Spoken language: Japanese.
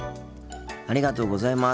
ありがとうございます。